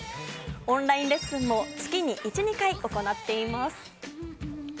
オンラインレッスンも月に１、２回行っています。